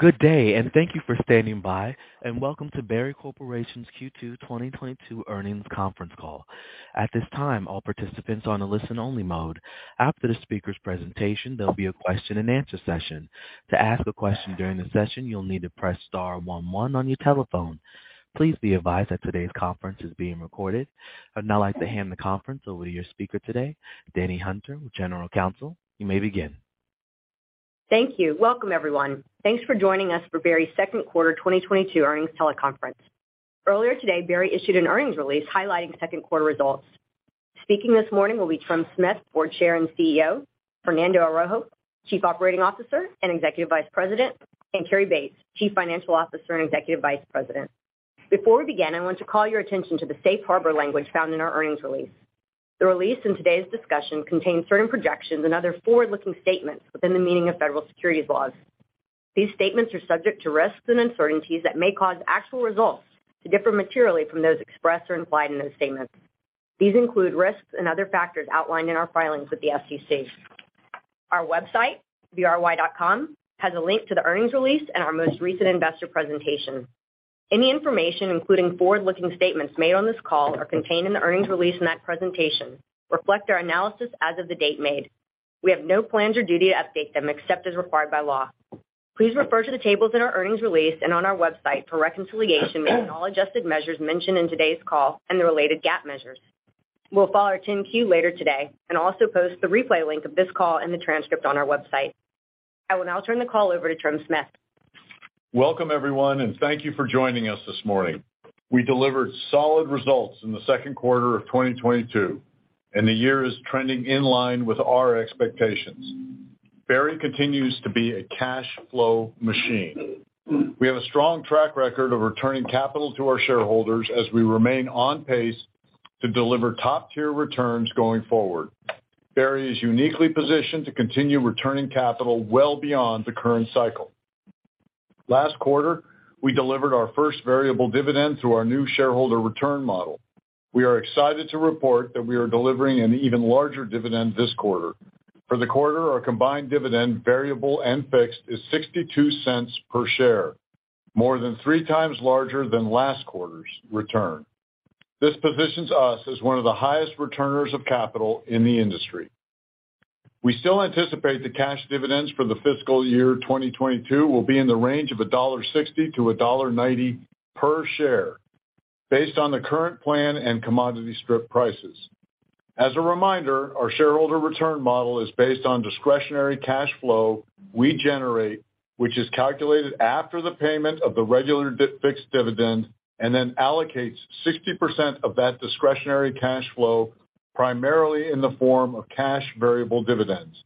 Good day, and thank you for standing by, and welcome to Berry Corporation's Q2 2022 earnings conference call. At this time, all participants are on a listen only mode. After the speaker's presentation, there'll be a question-and-answer session. To ask a question during the session, you'll need to press star one one on your telephone. Please be advised that today's conference is being recorded. I'd now like to hand the conference over to your speaker today, Danielle Hunter, General Counsel. You may begin. Thank you. Welcome, everyone. Thanks for joining us for Berry's second quarter 2022 earnings teleconference. Earlier today, Berry issued an earnings release highlighting second quarter results. Speaking this morning will be Trem Smith, Board Chair and CEO, Fernando Araujo, Chief Operating Officer and Executive Vice President, and Cary Baetz, Chief Financial Officer and Executive Vice President. Before we begin, I want to call your attention to the safe harbor language found in our earnings release. The release in today's discussion contains certain projections and other forward-looking statements within the meaning of federal securities laws. These statements are subject to risks and uncertainties that may cause actual results to differ materially from those expressed or implied in those statements. These include risks and other factors outlined in our filings with the SEC. Our website, bry.com, has a link to the earnings release and our most recent investor presentation. Any information, including forward-looking statements made on this call, are contained in the earnings release and that presentation, reflect our analysis as of the date made. We have no plans or duty to update them except as required by law. Please refer to the tables in our earnings release and on our website for reconciliation between all adjusted measures mentioned in today's call and the related GAAP measures. We'll follow our 10-Q later today and also post the replay link of this call and the transcript on our website. I will now turn the call over to Trem Smith. Welcome, everyone, and thank you for joining us this morning. We delivered solid results in the second quarter of 2022, and the year is trending in line with our expectations. Berry continues to be a cash flow machine. We have a strong track record of returning capital to our shareholders as we remain on pace to deliver top-tier returns going forward. Berry is uniquely positioned to continue returning capital well beyond the current cycle. Last quarter, we delivered our first variable dividend through our new shareholder return model. We are excited to report that we are delivering an even larger dividend this quarter. For the quarter, our combined dividend, variable and fixed, is $0.62 per share, more than 3x larger than last quarter's return. This positions us as one of the highest returners of capital in the industry. We still anticipate the cash dividends for the fiscal year 2022 will be in the range of $1.60-$1.90 per share based on the current plan and commodity strip prices. As a reminder, our shareholder return model is based on discretionary cash flow we generate, which is calculated after the payment of the regular fixed dividend and then allocates 60% of that discretionary cash flow primarily in the form of cash variable dividends.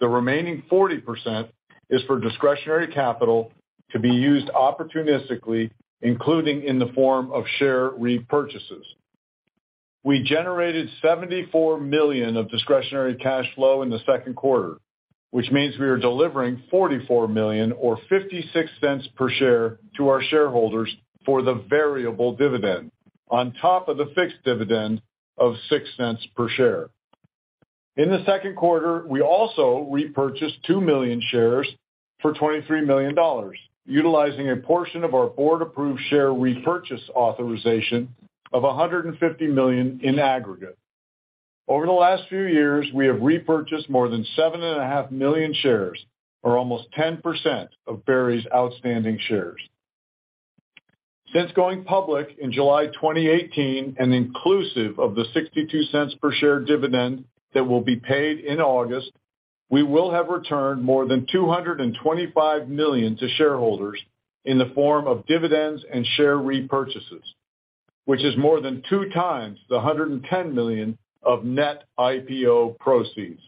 The remaining 40% is for discretionary capital to be used opportunistically, including in the form of share repurchases. We generated $74 million of discretionary cash flow in the second quarter, which means we are delivering $44 million or $0.56 per share to our shareholders for the variable dividend on top of the fixed dividend of $0.06 per share. In the second quarter, we also repurchased 2 million shares for $23 million, utilizing a portion of our board-approved share repurchase authorization of 150 million in aggregate. Over the last few years, we have repurchased more than 7.5 million shares, or almost 10% of Berry's outstanding shares. Since going public in July 2018 and inclusive of the $0.62 per share dividend that will be paid in August, we will have returned more than 225 million to shareholders in the form of dividends and share repurchases, which is more than 2 times the 110 million of net IPO proceeds.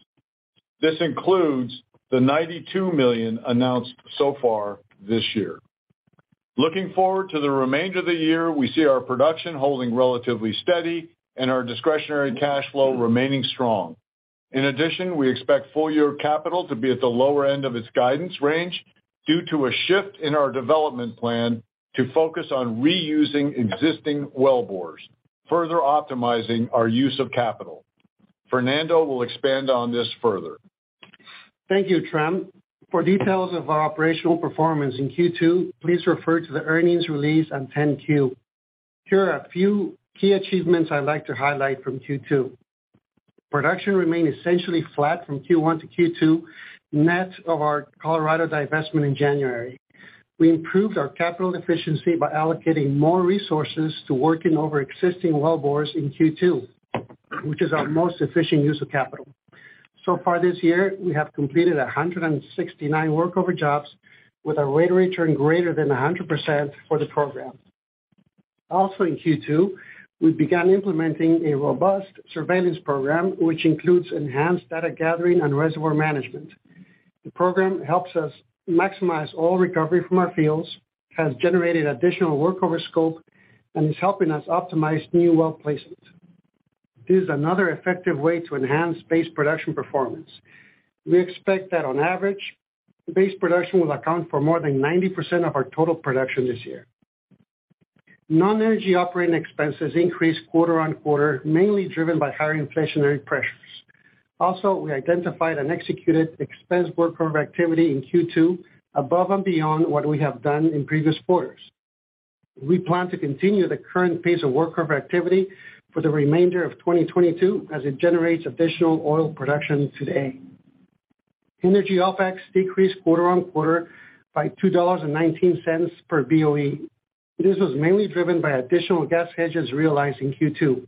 This includes the 92 million announced so far this year. Looking forward to the remainder of the year, we see our production holding relatively steady and our discretionary cash flow remaining strong. In addition, we expect full year capital to be at the lower end of its guidance range due to a shift in our development plan to focus on reusing existing wellbores, further optimizing our use of capital. Fernando will expand on this further. Thank you, Trem. For details of our operational performance in Q2, please refer to the earnings release and 10-Q. Here are a few key achievements I'd like to highlight from Q2. Production remained essentially flat from Q1 to Q2, net of our Colorado divestment in January. We improved our capital efficiency by allocating more resources to working over existing wellbores in Q2, which is our most efficient use of capital. So far this year, we have completed 169 workover jobs with a rate of return greater than 100% for the program. Also in Q2, we began implementing a robust surveillance program, which includes enhanced data gathering and reservoir management. The program helps us maximize oil recovery from our fields, has generated additional workover scope, and is helping us optimize new well placement. This is another effective way to enhance base production performance. We expect that on average, base production will account for more than 90% of our total production this year. Non-energy operating expenses increased quarter-over-quarter, mainly driven by higher inflationary pressures. Also, we identified and executed expense workover activity in Q2 above and beyond what we have done in previous quarters. We plan to continue the current pace of workover activity for the remainder of 2022 as it generates additional oil production today. Energy OPEX decreased quarter-over-quarter by $2.19 per BOE. This was mainly driven by additional gas hedges realized in Q2.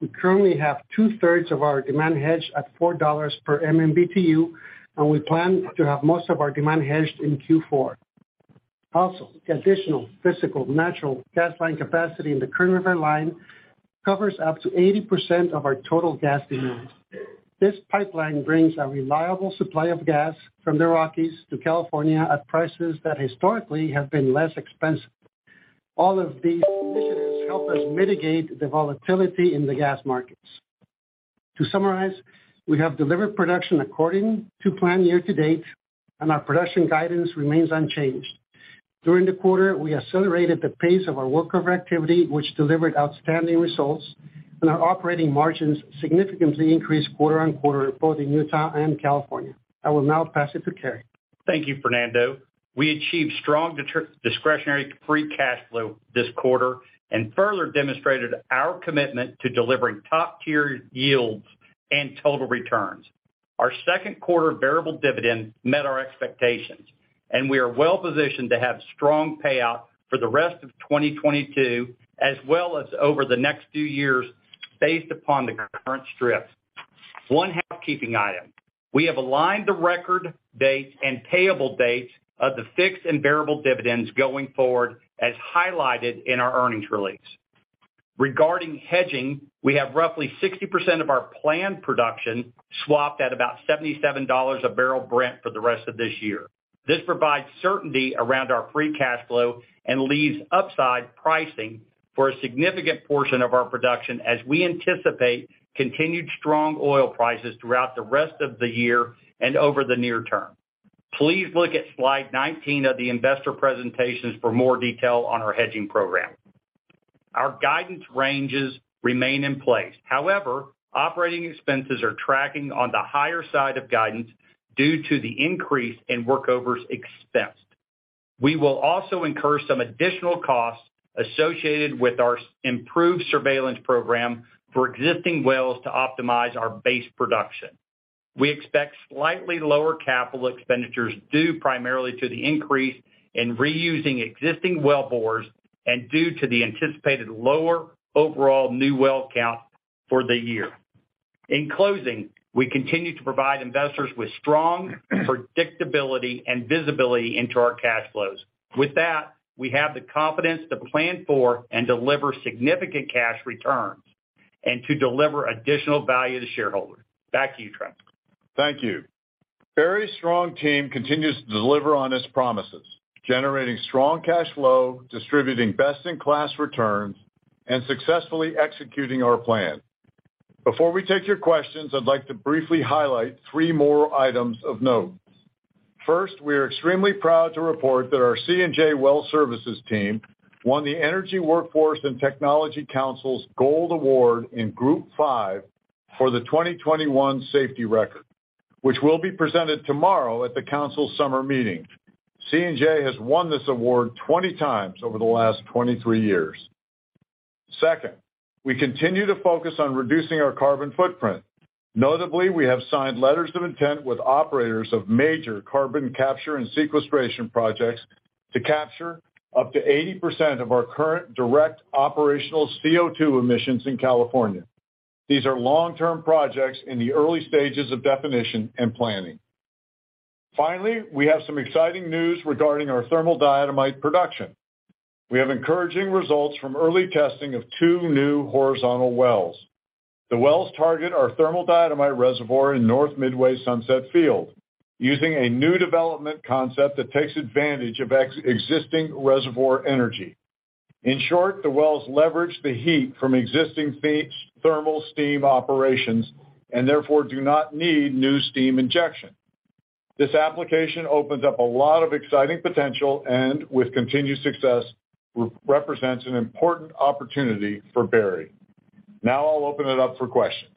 We currently have two-thirds of our demand hedged at $4 per MMBtu, and we plan to have most of our demand hedged in Q4. Also, the additional physical natural gas line capacity in the Kern River line covers up to 80% of our total gas demands. This pipeline brings a reliable supply of gas from the Rockies to California at prices that historically have been less expensive. All of these initiatives help us mitigate the volatility in the gas markets. To summarize, we have delivered production according to plan year to date, and our production guidance remains unchanged. During the quarter, we accelerated the pace of our workover activity, which delivered outstanding results, and our operating margins significantly increased quarter-over-quarter, both in Utah and California. I will now pass it to Cary. Thank you, Fernando. We achieved strong discretionary free cash flow this quarter and further demonstrated our commitment to delivering top-tier yields and total returns. Our second quarter variable dividend met our expectations, and we are well positioned to have strong payout for the rest of 2022, as well as over the next few years, based upon the current strip. One housekeeping item. We have aligned the record dates and payable dates of the fixed and variable dividends going forward, as highlighted in our earnings release. Regarding hedging, we have roughly 60% of our planned production swapped at about $77 a barrel Brent for the rest of this year. This provides certainty around our free cash flow and leaves upside pricing for a significant portion of our production as we anticipate continued strong oil prices throughout the rest of the year and over the near term. Please look at slide 19 of the investor presentations for more detail on our hedging program. Our guidance ranges remain in place. However, operating expenses are tracking on the higher side of guidance due to the increase in workovers expensed. We will also incur some additional costs associated with our improved surveillance program for existing wells to optimize our base production. We expect slightly lower capital expenditures due primarily to the increase in reusing existing wellbores and due to the anticipated lower overall new well count for the year. In closing, we continue to provide investors with strong predictability and visibility into our cash flows. With that, we have the confidence to plan for and deliver significant cash returns and to deliver additional value to shareholders. Back to you, Trem. Thank you. Berry's strong team continues to deliver on its promises, generating strong cash flow, distributing best-in-class returns, and successfully executing our plan. Before we take your questions, I'd like to briefly highlight three more items of note. First, we are extremely proud to report that our C&J Well Services team won the Energy Workforce & Technology Council's Gold Award in Group Five for the 2021 safety record, which will be presented tomorrow at the council's summer meeting. C&J has won this award 20 times over the last 23 years. Second, we continue to focus on reducing our carbon footprint. Notably, we have signed letters of intent with operators of major carbon capture and sequestration projects to capture up to 80% of our current direct operational CO2 emissions in California. These are long-term projects in the early stages of definition and planning. Finally, we have some exciting news regarding our thermal diatomite production. We have encouraging results from early testing of two new horizontal wells. The wells target our thermal diatomite reservoir in North Midway-Sunset Field using a new development concept that takes advantage of existing reservoir energy. In short, the wells leverage the heat from existing thermal steam operations and therefore do not need new steam injection. This application opens up a lot of exciting potential and, with continued success, represents an important opportunity for Berry. Now, I'll open it up for questions.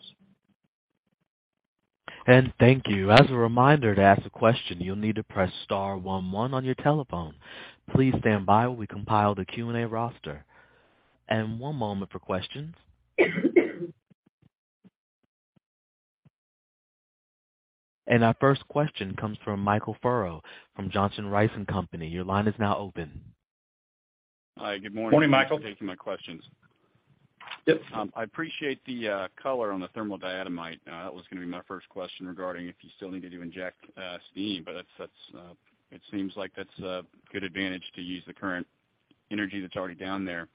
Thank you. As a reminder, to ask a question, you'll need to press star one one on your telephone. Please stand by while we compile the Q&A roster. One moment for questions. Our first question comes from Michael Furrow from Johnson Rice & Company. Your line is now open. Hi, good morning. Morning, Michael. Thanks for taking my questions. Yep. I appreciate the color on the thermal diatomite. That was gonna be my first question regarding if you still needed to inject steam, but it seems like that's a good advantage to use the current energy that's already down there.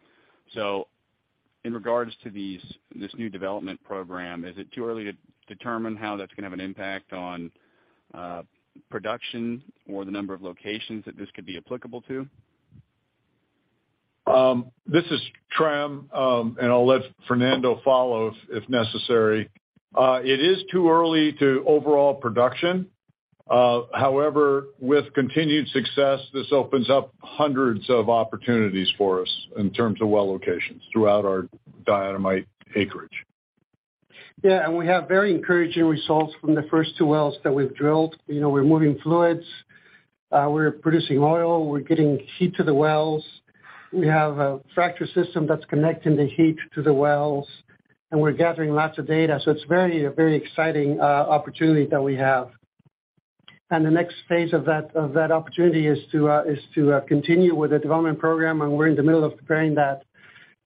In regards to this new development program, is it too early to determine how that's gonna have an impact on production or the number of locations that this could be applicable to? This is Trem, and I'll let Fernando follow if necessary. It is too early to call overall production, however, with continued success, this opens up hundreds of opportunities for us in terms of well locations throughout our diatomite acreage. Yeah. We have very encouraging results from the first two wells that we've drilled. You know, we're moving fluids, we're producing oil, we're getting heat to the wells. We have a fracture system that's connecting the heat to the wells, and we're gathering lots of data. It's a very exciting opportunity that we have. The next phase of that opportunity is to continue with the development program, and we're in the middle of preparing that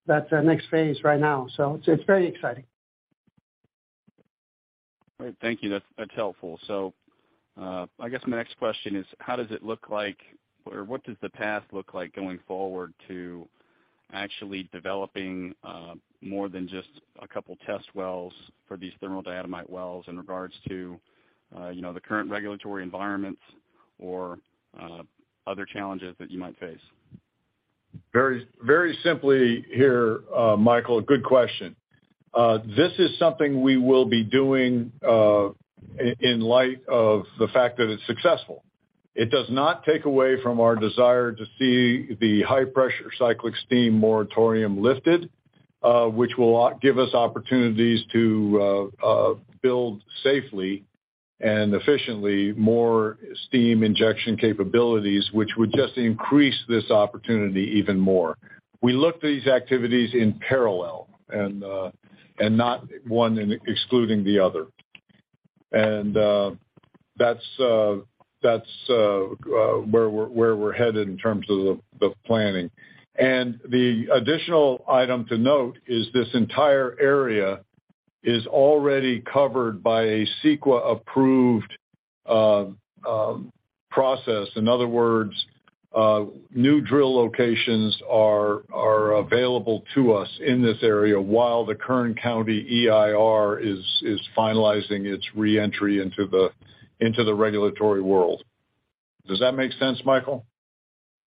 next phase right now. It's very exciting. All right. Thank you. That's helpful. I guess my next question is, how does it look like or what does the path look like going forward to actually developing more than just a couple test wells for these thermal diatomite wells in regards to you know, the current regulatory environments or other challenges that you might face? Very, very simply here, Michael, good question. This is something we will be doing, in light of the fact that it's successful. It does not take away from our desire to see the high-pressure cyclic steam moratorium lifted, which will give us opportunities to build safely and efficiently more steam injection capabilities, which would just increase this opportunity even more. We look these activities in parallel and not one excluding the other. That's where we're headed in terms of the planning. The additional item to note is this entire area is already covered by a CEQA-approved process. In other words, new drill locations are available to us in this area while the Kern County EIR is finalizing its reentry into the regulatory world. Does that make sense, Michael?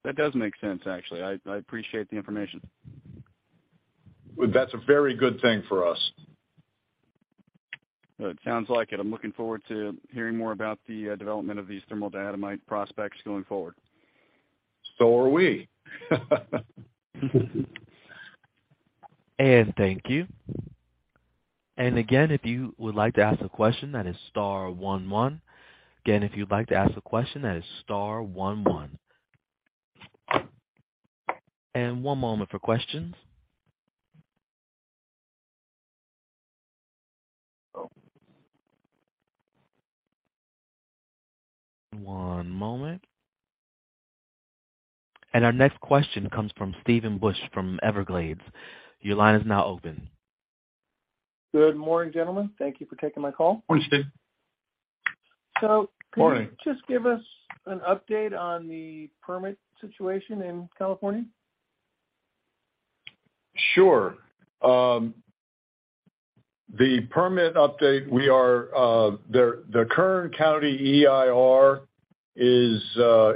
That does make sense, actually. I appreciate the information. That's a very good thing for us. It sounds like it. I'm looking forward to hearing more about the development of these thermal diatomite prospects going forward. Are we. Thank you. Again, if you would like to ask a question, that is star one one. Again, if you'd like to ask a question, that is star one one. One moment for questions. One moment. Our next question comes from Stephen Busch from Evercore ISI. Your line is now open. Good morning, gentlemen. Thank you for taking my call. Morning, Steven. So- Morning. Can you just give us an update on the permit situation in California? Sure. The permit update, the Kern County EIR is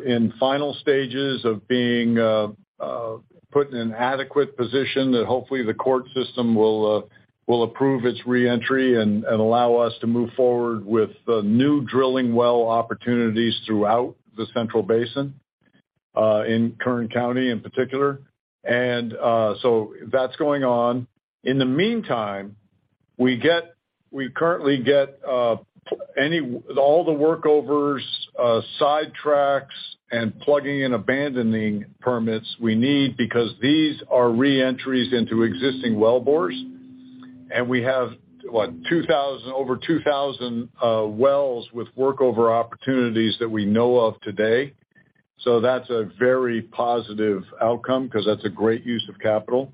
in final stages of being put in an adequate position that hopefully the court system will approve its reentry and allow us to move forward with the new drilling well opportunities throughout the central basin in Kern County in particular. That's going on. In the meantime, we currently get all the workovers, sidetracks, and plugging and abandoning permits we need because these are reentries into existing wellbores. We have over 2,000 wells with workover opportunities that we know of today. That's a very positive outcome because that's a great use of capital.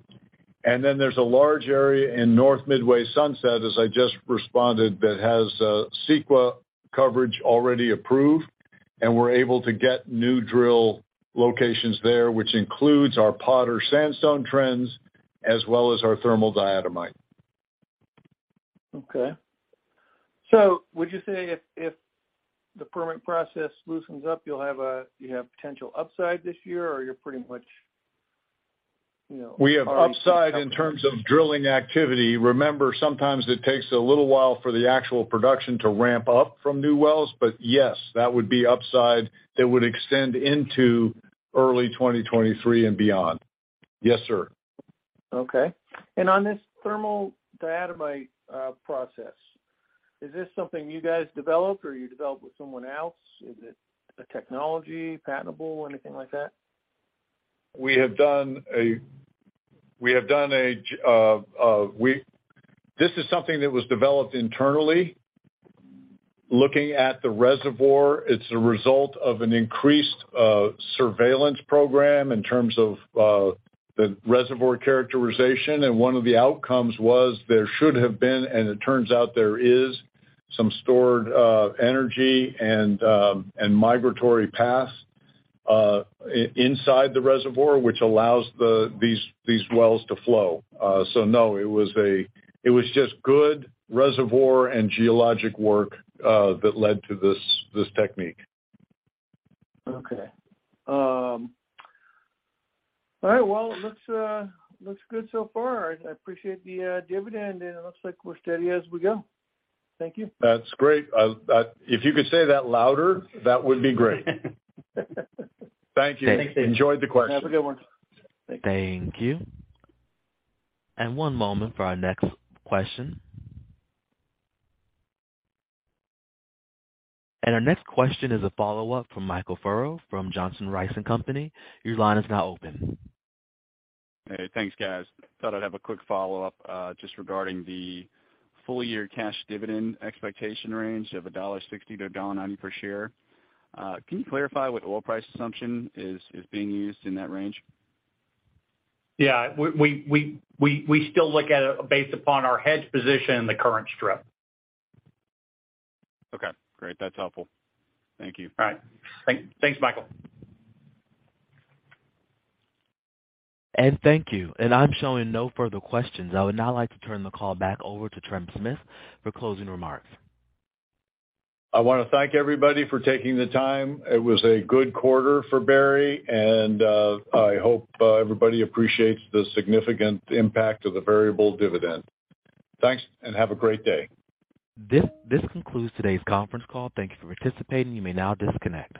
There's a large area in North Midway-Sunset, as I just responded, that has CEQA coverage already approved, and we're able to get new drill locations there, which includes our Potter Sandstone trends as well as our thermal diatomite. Okay. Would you say if the permit process loosens up, you have potential upside this year, or you're pretty much, you know, already? We have upside in terms of drilling activity. Remember, sometimes it takes a little while for the actual production to ramp up from new wells. Yes, that would be upside that would extend into early 2023 and beyond. Yes, sir. Okay. On this thermal diatomite process, is this something you guys developed or you developed with someone else? Is it a technology, patentable, anything like that? This is something that was developed internally. Looking at the reservoir, it's a result of an increased surveillance program in terms of the reservoir characterization. One of the outcomes was there should have been, and it turns out there is, some stored energy and migratory paths in the reservoir, which allows these wells to flow. No, it was just good reservoir and geologic work that led to this technique. Okay. All right. Well, it looks good so far. I appreciate the dividend, and it looks like we're steady as we go. Thank you. That's great. If you could say that louder, that would be great. Thank you. Enjoyed the question. Have a good one. Thank you. Thank you. One moment for our next question. Our next question is a follow-up from Michael Furrow from Johnson Rice & Company. Your line is now open. Hey, thanks, guys. Thought I'd have a quick follow-up just regarding the full-year cash dividend expectation range of $1.60-$1.90 per share. Can you clarify what the oil price assumption is being used in that range? Yeah. We still look at it based upon our hedge position in the current strip. Okay, great. That's helpful. Thank you. All right. Thanks, Michael. Thank you. I'm showing no further questions. I would now like to turn the call back over to Trem Smith for closing remarks. I wanna thank everybody for taking the time. It was a good quarter for Berry, and I hope everybody appreciates the significant impact of the variable dividend. Thanks, and have a great day. This concludes today's conference call. Thank you for participating. You may now disconnect.